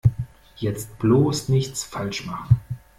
Jetzt bloß nichts falsch machen!